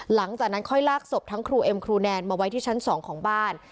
หลังจากนั้นค่อยลากศพทั้งครูเอ็มครูแนนมาไว้ที่ชั้น๒ของบ้าน